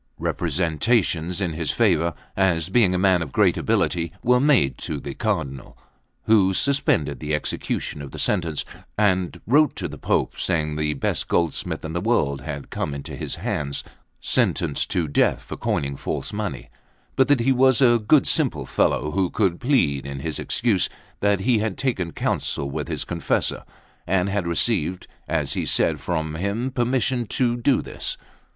Representations in his favour, as being a man of great ability, were made to the Cardinal, who suspended the execution of the sentence, and wrote to the Pope, saying the best goldsmith in the world had come into his hands, sentenced to death for coining false money, but that he was a good simple fellow, who could plead in his excuse that he had taken counsel with his confessor, and had received, as he said, from him permission to do this.